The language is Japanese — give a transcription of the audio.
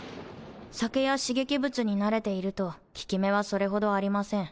酒や刺激物に慣れていると効き目はそれほどありません。